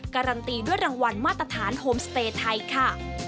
การันตีด้วยรางวัลมาตรฐานโฮมสเตย์ไทยค่ะ